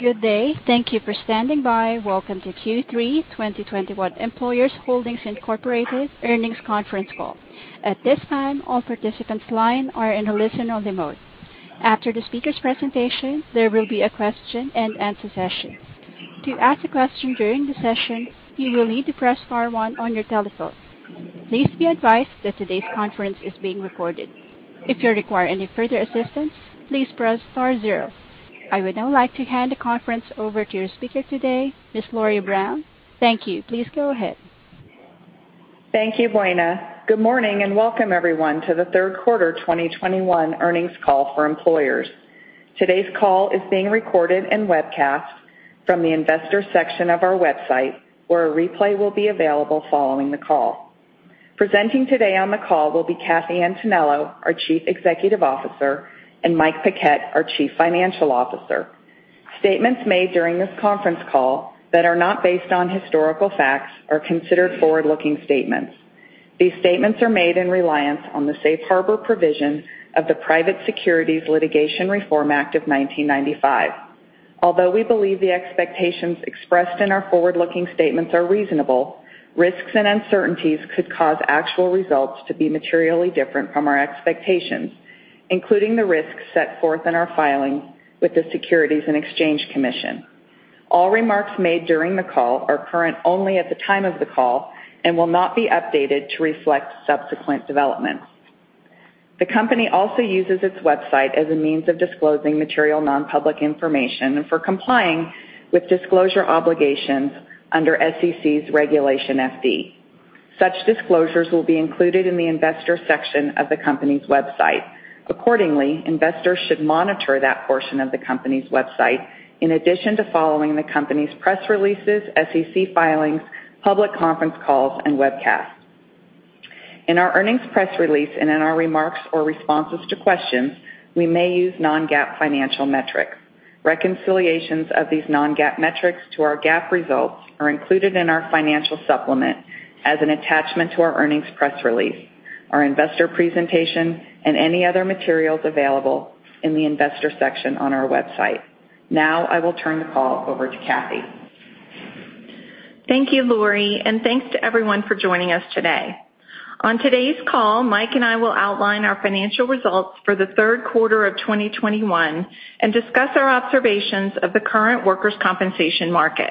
Good day. Thank you for standing by. Welcome to Q3 2021 Employers Holdings, Inc. Earnings Conference Call. At this time, all participants' lines are in a listen-only mode. After the speaker's presentation, there will be a question-and-answer session. To ask a question during the session, you will need to press star one on your telephone. Please be advised that today's conference is being recorded. If you require any further assistance, please press star zero. I would now like to hand the conference over to your speaker today, Lori Brown. Thank you. Please go ahead. Thank you, Buena. Good morning, and welcome everyone to the third quarter 2021 earnings call for Employers. Today's call is being recorded and webcast from the investor section of our website, where a replay will be available following the call. Presenting today on the call will be Kathy Antonello, our Chief Executive Officer, and Mike Paquette, our Chief Financial Officer. Statements made during this conference call that are not based on historical facts are considered forward-looking statements. These statements are made in reliance on the safe harbor provision of the Private Securities Litigation Reform Act of 1995. Although we believe the expectations expressed in our forward-looking statements are reasonable, risks and uncertainties could cause actual results to be materially different from our expectations, including the risks set forth in our filing with the Securities and Exchange Commission. All remarks made during the call are current only at the time of the call and will not be updated to reflect subsequent developments. The company also uses its website as a means of disclosing material non-public information for complying with disclosure obligations under SEC's Regulation FD. Such disclosures will be included in the investor section of the company's website. Accordingly, investors should monitor that portion of the company's website in addition to following the company's press releases, SEC filings, public conference calls, and webcasts. In our earnings press release and in our remarks or responses to questions, we may use non-GAAP financial metrics. Reconciliations of these non-GAAP metrics to our GAAP results are included in our financial supplement as an attachment to our earnings press release, our investor presentation, and any other materials available in the investor section on our website. Now I will turn the call over to Kathy. Thank you, Lori, and thanks to everyone for joining us today. On today's call, Mike and I will outline our financial results for the third quarter of 2021 and discuss our observations of the current workers' compensation market.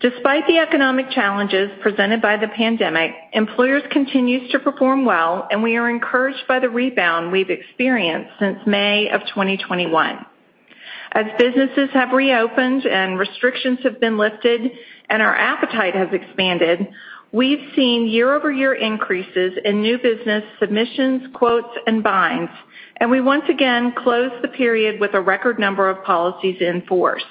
Despite the economic challenges presented by the pandemic, Employers continues to perform well, and we are encouraged by the rebound we've experienced since May of 2021. As businesses have reopened and restrictions have been lifted and our appetite has expanded, we've seen year-over-year increases in new business submissions, quotes, and binds, and we once again closed the period with a record number of policies in force.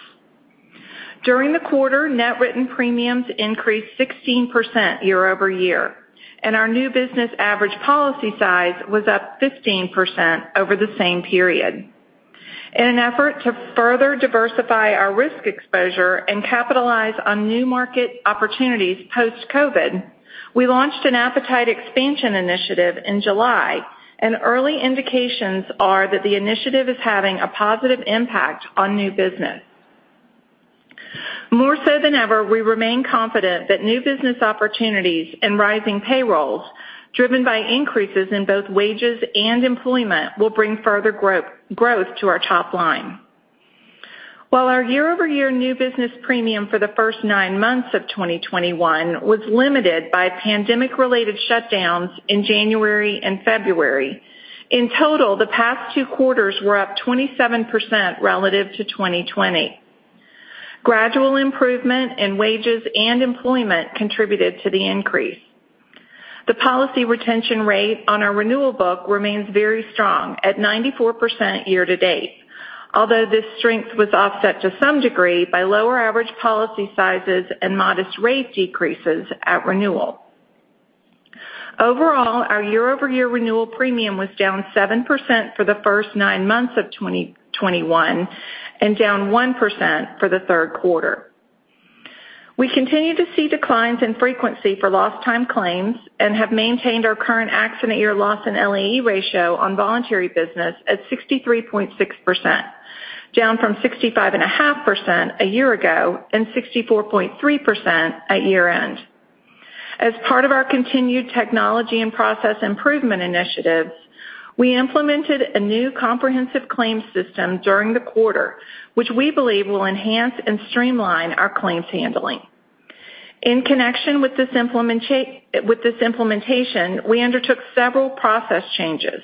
During the quarter, net written premiums increased 16% year-over-year, and our new business average policy size was up 15% over the same period. In an effort to further diversify our risk exposure and capitalize on new market opportunities post-COVID, we launched an appetite expansion initiative in July, and early indications are that the initiative is having a positive impact on new business. More so than ever, we remain confident that new business opportunities and rising payrolls driven by increases in both wages and employment will bring further growth to our top line. While our year-over-year new business premium for the first nine months of 2021 was limited by pandemic-related shutdowns in January and February, in total, the past two quarters were up 27% relative to 2020. Gradual improvement in wages and employment contributed to the increase. The policy retention rate on our renewal book remains very strong at 94% year to date. Although this strength was offset to some degree by lower average policy sizes and modest rate decreases at renewal. Overall, our year-over-year renewal premium was down 7% for the first nine months of 2021 and down 1% for the third quarter. We continue to see declines in frequency for lost time claims and have maintained our current accident year loss and LAE ratio on voluntary business at 63.6%, down from 65.5% a year ago and 64.3% at year-end. As part of our continued technology and process improvement initiatives, we implemented a new comprehensive claims system during the quarter, which we believe will enhance and streamline our claims handling. In connection with this implementation, we undertook several process changes,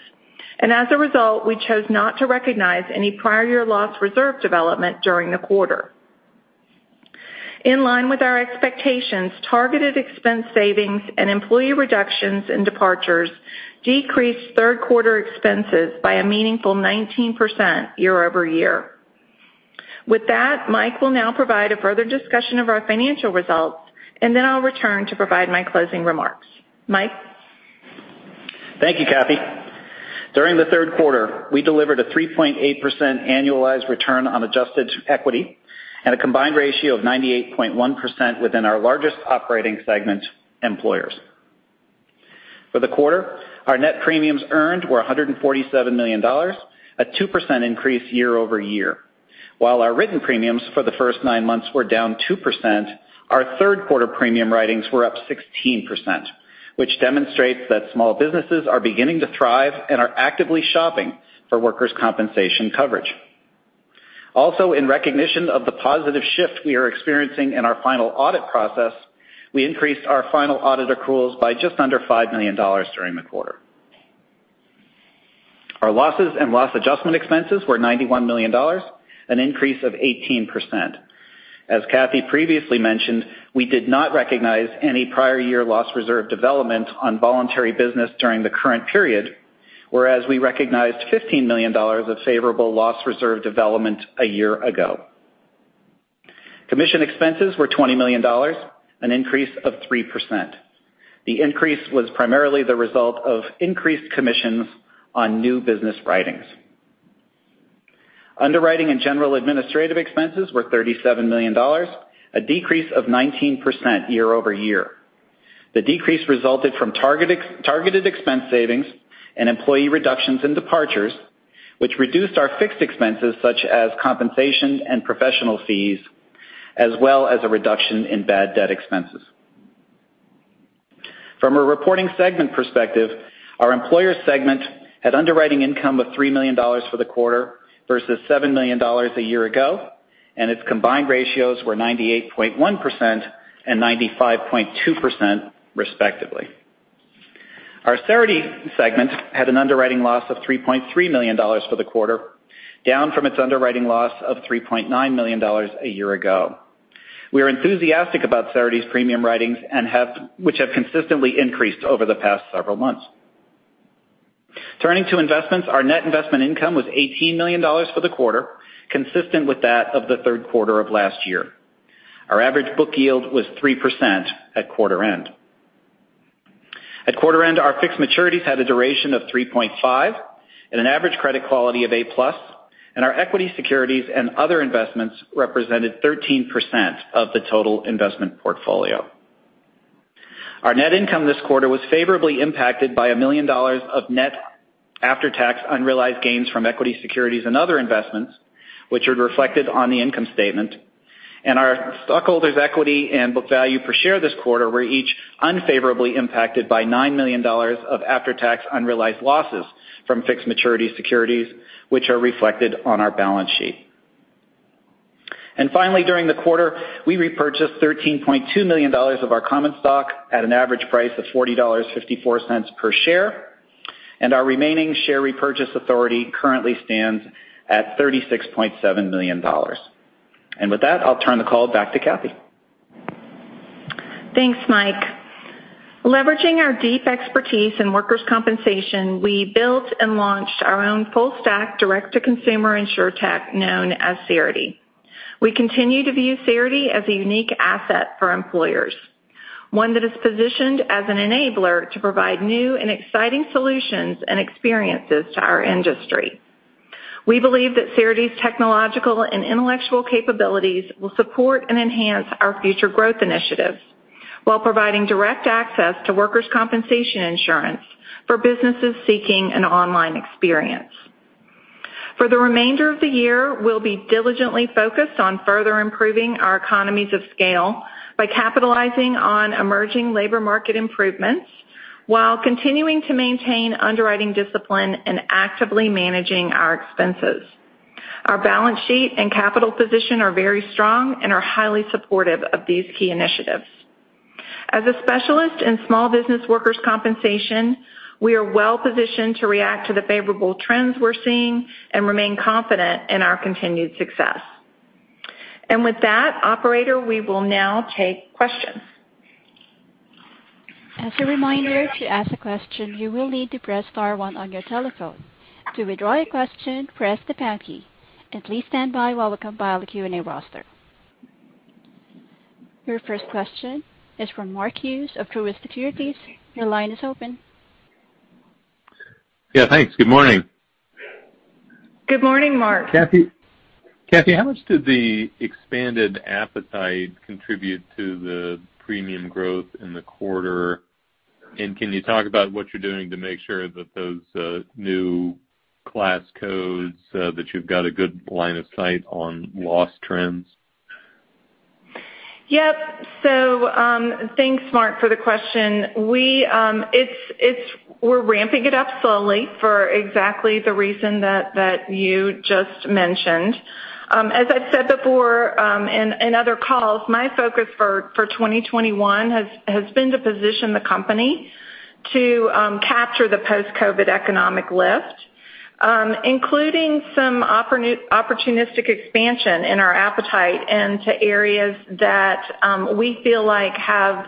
and as a result, we chose not to recognize any prior year loss reserve development during the quarter. In line with our expectations, targeted expense savings and employee reductions and departures decreased third-quarter expenses by a meaningful 19% year-over-year. With that, Mike will now provide a further discussion of our financial results, and then I'll return to provide my closing remarks. Mike? Thank you, Kathy. During the third quarter, we delivered a 3.8% annualized return on adjusted equity and a combined ratio of 98.1% within our largest operating segment, Employers. For the quarter, our net premiums earned were $147 million, a 2% increase year-over-year. While our written premiums for the first nine months were down 2%, our third quarter premium writings were up 16%, which demonstrates that small businesses are beginning to thrive and are actively shopping for workers' compensation coverage. Also, in recognition of the positive shift we are experiencing in our final audit process, we increased our final audit accruals by just under $5 million during the quarter. Our losses and loss adjustment expenses were $91 million, an increase of 18%. As Kathy previously mentioned, we did not recognize any prior year loss reserve development on voluntary business during the current period, whereas we recognized $15 million of favorable loss reserve development a year ago. Commission expenses were $20 million, an increase of 3%. The increase was primarily the result of increased commissions on new business writings. Underwriting and general administrative expenses were $37 million, a decrease of 19% year-over-year. The decrease resulted from targeted expense savings and employee reductions in departures, which reduced our fixed expenses such as compensation and professional fees, as well as a reduction in bad debt expenses. From a reporting segment perspective, our Employers segment had underwriting income of $3 million for the quarter versus $7 million a year ago, and its combined ratios were 98.1% and 95.2% respectively. Our Cerity segment had an underwriting loss of $3.3 million for the quarter, down from its underwriting loss of $3.9 million a year ago. We are enthusiastic about Cerity's premium writings, which have consistently increased over the past several months. Turning to investments, our net investment income was $18 million for the quarter, consistent with that of the third quarter of last year. Our average book yield was 3% at quarter end. At quarter end, our fixed maturities had a duration of 3.5 and an average credit quality of A+, and our equity securities and other investments represented 13% of the total investment portfolio. Our net income this quarter was favorably impacted by $1 million of net after-tax unrealized gains from equity securities and other investments, which are reflected on the income statement. Our stockholders' equity and book value per share this quarter were each unfavorably impacted by $9 million of after-tax unrealized losses from fixed maturity securities, which are reflected on our balance sheet. Finally, during the quarter, we repurchased $13.2 million of our common stock at an average price of $40.54 per share, and our remaining share repurchase authority currently stands at $36.7 million. With that, I'll turn the call back to Kathy. Thanks, Mike. Leveraging our deep expertise in workers' compensation, we built and launched our own full stack direct-to-consumer insurtech known as Cerity. We continue to view Cerity as a unique asset for employers, one that is positioned as an enabler to provide new and exciting solutions and experiences to our industry. We believe that Cerity's technological and intellectual capabilities will support and enhance our future growth initiatives while providing direct access to workers' compensation insurance for businesses seeking an online experience. For the remainder of the year, we'll be diligently focused on further improving our economies of scale by capitalizing on emerging labor market improvements while continuing to maintain underwriting discipline and actively managing our expenses. Our balance sheet and capital position are very strong and are highly supportive of these key initiatives. As a specialist in small business workers' compensation, we are well-positioned to react to the favorable trends we're seeing and remain confident in our continued success. With that, operator, we will now take questions. As a reminder, to ask a question, you will need to press star one on your telephone. To withdraw your question, press the pound key. Please stand by while we compile the Q&A roster. Your first question is from Mark Hughes of Truist Securities. Your line is open. Yeah, thanks. Good morning. Good morning, Mark. Kathy, how much did the expanded appetite contribute to the premium growth in the quarter? Can you talk about what you're doing to make sure that those new class codes that you've got a good line of sight on loss trends? Yep. Thanks, Mark, for the question. We're ramping it up slowly for exactly the reason that you just mentioned. As I've said before, in other calls, my focus for 2021 has been to position the company to capture the post-COVID economic lift, including some opportunistic expansion in our appetite into areas that we feel like have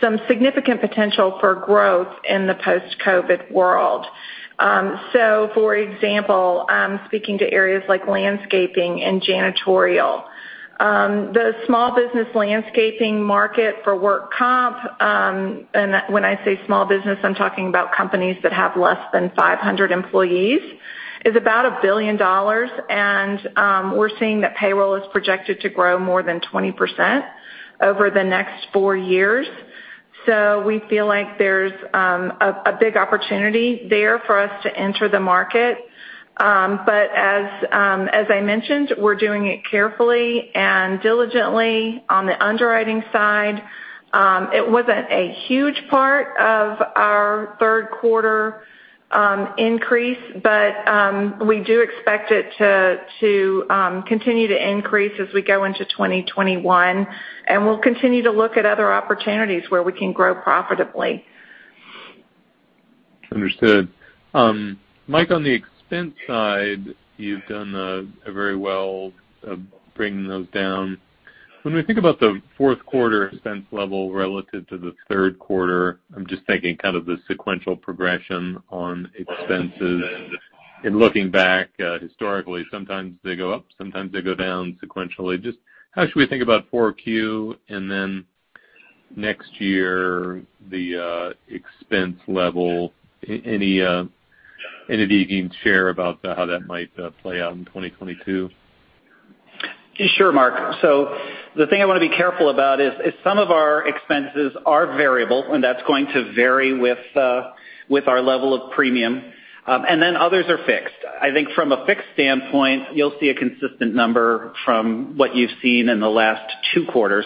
some significant potential for growth in the post-COVID world. For example, speaking to areas like landscaping and janitorial. The small business landscaping market for work comp, and when I say small business, I'm talking about companies that have less than 500 employees, is about $1 billion, and we're seeing that payroll is projected to grow more than 20% over the next four years. We feel like there's a big opportunity there for us to enter the market. As I mentioned, we're doing it carefully and diligently on the underwriting side. It wasn't a huge part of our third quarter increase, but we do expect it to continue to increase as we go into 2021, and we'll continue to look at other opportunities where we can grow profitably. Understood. Mike, on the expense side, you've done very well in bringing those down. When we think about the fourth quarter expense level relative to the third quarter, I'm just thinking kind of the sequential progression on expenses. In looking back, historically, sometimes they go up, sometimes they go down sequentially. Just how should we think about 4Q and then next year, the expense level? Anything you can share about how that might play out in 2022? Sure, Mark. The thing I wanna be careful about is some of our expenses are variable, and that's going to vary with our level of premium, and then others are fixed. I think from a fixed standpoint, you'll see a consistent number from what you've seen in the last two quarters,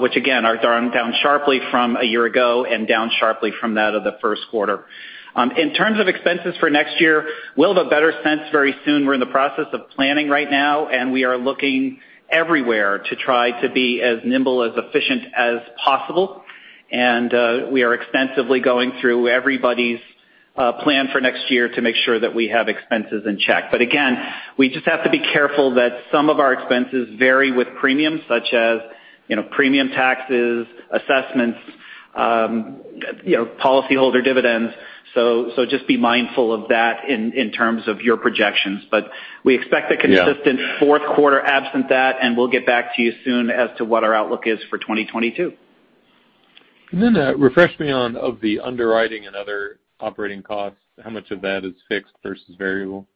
which again are down sharply from a year ago and down sharply from that of the first quarter. In terms of expenses for next year, we'll have a better sense very soon. We're in the process of planning right now, and we are looking everywhere to try to be as nimble, as efficient as possible. We are extensively going through everybody's plan for next year to make sure that we have expenses in check. Again, we just have to be careful that some of our expenses vary with premiums such as, you know, premium taxes, assessments, you know, policyholder dividends. Just be mindful of that in terms of your projections. We expect- Yeah. a consistent fourth quarter absent that, and we'll get back to you as soon as to what our outlook is for 2022. Refresh me on the underwriting and other operating costs, how much of that is fixed versus variable?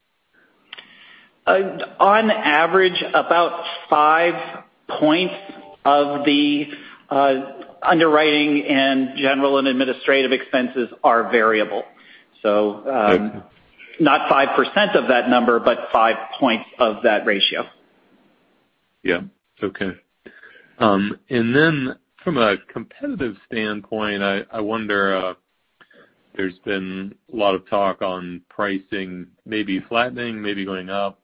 On average, about five points of the underwriting and general and administrative expenses are variable. Not 5% of that number, but five points of that ratio. Yeah. Okay. From a competitive standpoint, I wonder, there's been a lot of talk on pricing maybe flattening, maybe going up.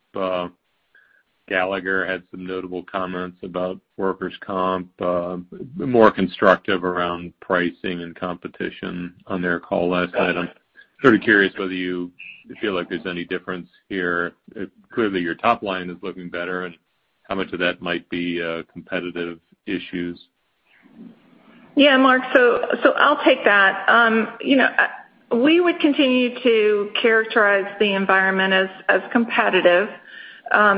Gallagher had some notable comments about workers' comp, more constructive around pricing and competition on their call last night. Sort of curious whether you feel like there's any difference here. Clearly, your top line is looking better, and how much of that might be, competitive issues? Yeah, Mark. I'll take that. You know, we would continue to characterize the environment as competitive,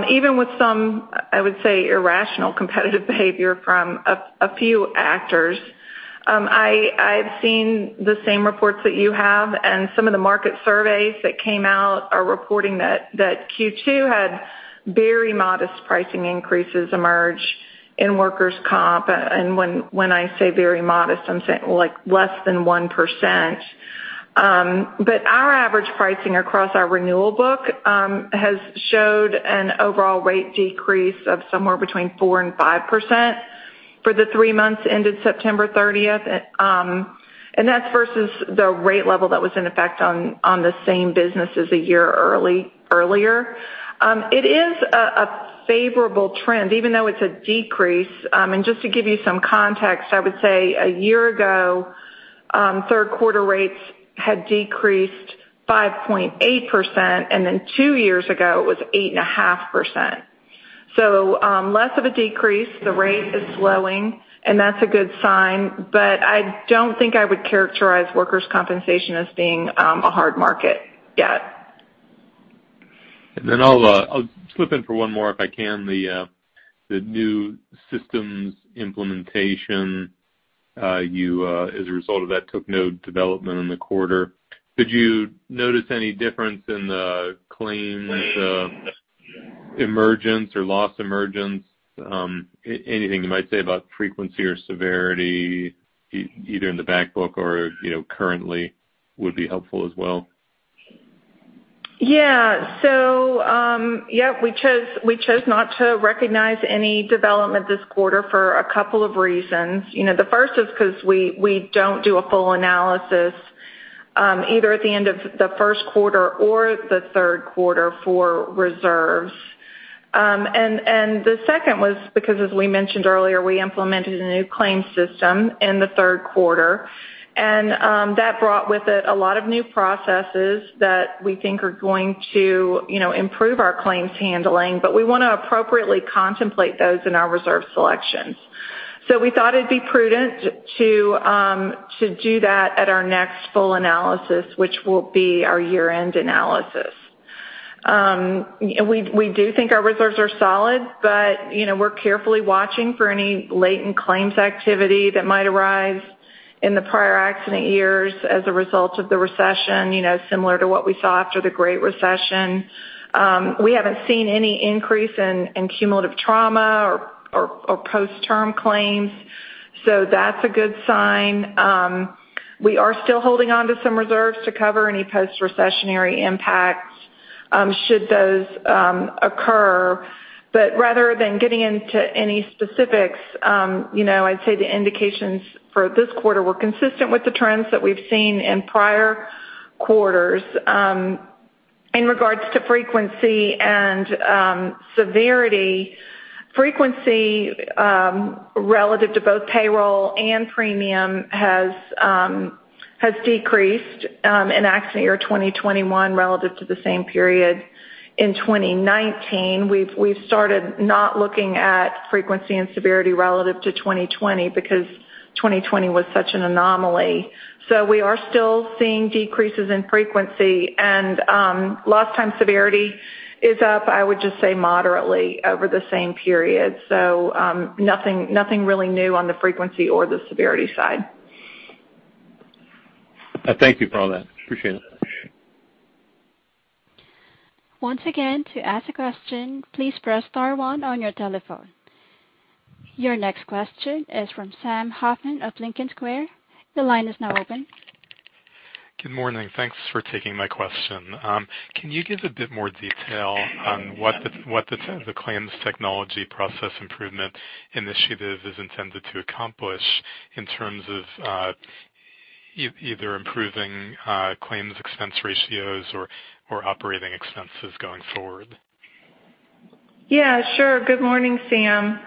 even with some, I would say, irrational competitive behavior from a few actors. I've seen the same reports that you have, and some of the market surveys that came out are reporting that Q2 had very modest pricing increases emerge in workers' comp. When I say very modest, I'm saying, like, less than 1%. But our average pricing across our renewal book has showed an overall rate decrease of somewhere between 4%-5% for the three months ended September 30. And that's versus the rate level that was in effect on the same businesses a year earlier. It is a favorable trend, even though it's a decrease. Just to give you some context, I would say a year ago, third quarter rates had-5.8%, and then two years ago, it was 8.5%. Less of a decrease, the rate is slowing, and that's a good sign. I don't think I would characterize workers' compensation as being a hard market yet. Then I'll slip in for one more if I can. The new systems implementation, as a result of that, took no development in the quarter. Did you notice any difference in the claims emergence or loss emergence? Anything you might say about frequency or severity either in the back book or, you know, currently would be helpful as well. We chose not to recognize any development this quarter for a couple of reasons. You know, the first is 'cause we don't do a full analysis either at the end of the first quarter or the third quarter for reserves. The second was because, as we mentioned earlier, we implemented a new claim system in the third quarter. That brought with it a lot of new processes that we think are going to, you know, improve our claims handling, but we wanna appropriately contemplate those in our reserve selections. We thought it'd be prudent to do that at our next full analysis, which will be our year-end analysis. We do think our reserves are solid, but you know, we're carefully watching for any latent claims activity that might arise in the prior accident years as a result of the recession, you know, similar to what we saw after the Great Recession. We haven't seen any increase in cumulative trauma or post-termination claims. That's a good sign. We are still holding on to some reserves to cover any post-recessionary impacts, should those occur. Rather than getting into any specifics, you know, I'd say the indications for this quarter were consistent with the trends that we've seen in prior quarters. In regards to frequency and severity, frequency relative to both payroll and premium has decreased in accident year 2021 relative to the same period in 2019. We've started not looking at frequency and severity relative to 2020 because 2020 was such an anomaly. We are still seeing decreases in frequency. Last time severity is up, I would just say moderately over the same period. Nothing really new on the frequency or the severity side. Thank you for all that. Appreciate it. Once again, to ask a question, please press star one on your telephone. Your next question is from Sam Hoffman of Lincoln Square. The line is now open. Good morning. Thanks for taking my question. Can you give a bit more detail on what the claims technology process improvement initiative is intended to accomplish in terms of either improving claims expense ratios or operating expenses going forward? Yeah, sure. Good morning, Sam.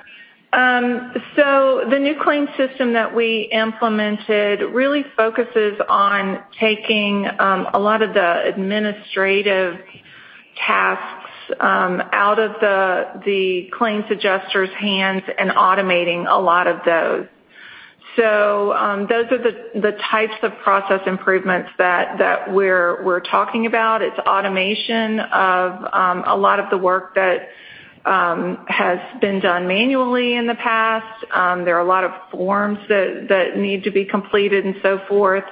So the new claims system that we implemented really focuses on taking a lot of the administrative tasks out of the claims adjuster's hands and automating a lot of those. Those are the types of process improvements that we're talking about. It's automation of a lot of the work that has been done manually in the past. There are a lot of forms that need to be completed and so forth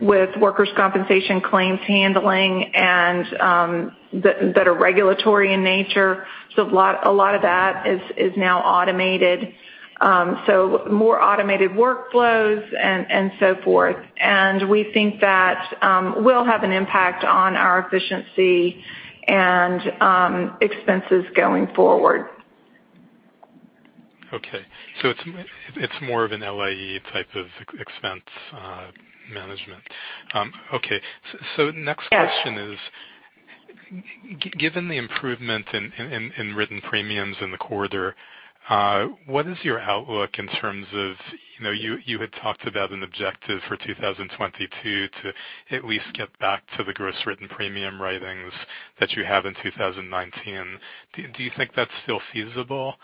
with workers' compensation claims handling and that are regulatory in nature. So a lot of that is now automated. So more automated workflows and so forth. We think that will have an impact on our efficiency and expenses going forward. Okay. It's more of an LAE type of expense management. Okay. Next question is- Yes. Given the improvement in written premiums in the quarter, what is your outlook in terms of, you know, you had talked about an objective for 2022 to at least get back to the gross written premium writings that you have in 2019. Do you think that's still feasible,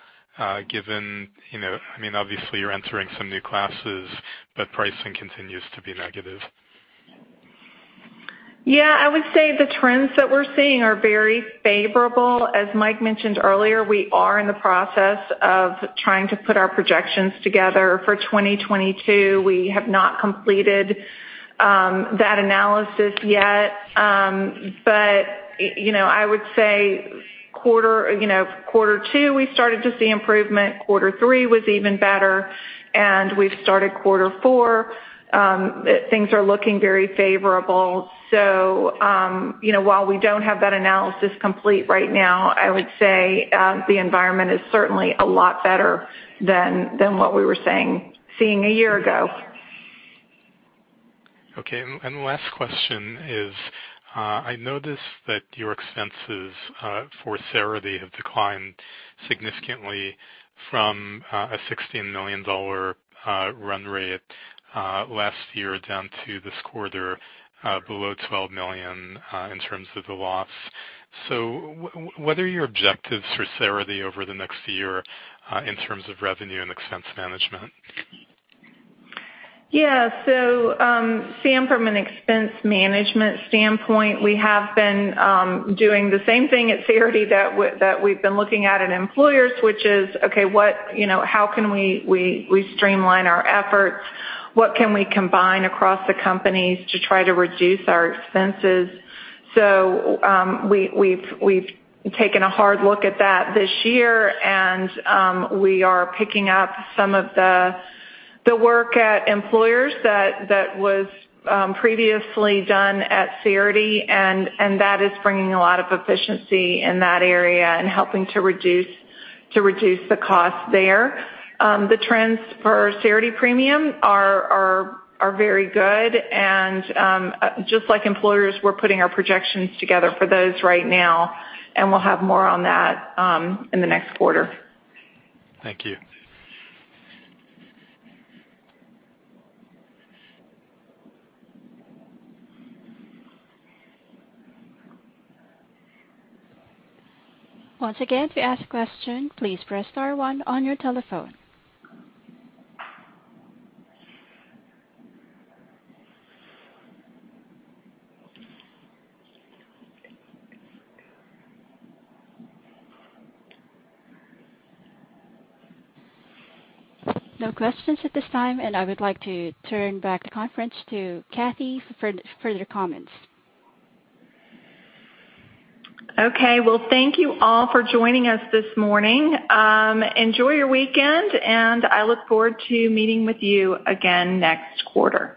given, you know, I mean, obviously you're entering some new classes, but pricing continues to be negative. Yeah, I would say the trends that we're seeing are very favorable. As Mike mentioned earlier, we are in the process of trying to put our projections together for 2022. We have not completed that analysis yet. You know, I would say you know quarter two, we started to see improvement. Quarter three was even better. We've started quarter four, things are looking very favorable. You know, while we don't have that analysis complete right now, I would say the environment is certainly a lot better than what we were seeing a year ago. Okay. Last question is, I noticed that your expenses for Cerity have declined significantly from a $16 million run rate last year down to this quarter below $12 million in terms of the loss. What are your objectives for Cerity over the next year in terms of revenue and expense management? Yeah. Sam, from an expense management standpoint, we have been doing the same thing at Cerity that we've been looking at in Employers, which is, okay, what, you know, how can we streamline our efforts? What can we combine across the companies to try to reduce our expenses? We've taken a hard look at that this year and we are picking up some of the work at Employers that was previously done at Cerity, and that is bringing a lot of efficiency in that area and helping to reduce the cost there. The trends for Cerity Premium are very good. Just like Employers, we're putting our projections together for those right now, and we'll have more on that in the next quarter. Thank you. Once again, to ask a question, please press star one on your telephone. No questions at this time, and I would like to turn back the conference to Kathy for further comments. Okay. Well, thank you all for joining us this morning. Enjoy your weekend, and I look forward to meeting with you again next quarter.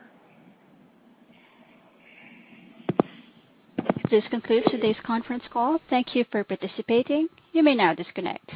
This concludes today's conference call. Thank you for participating. You may now disconnect.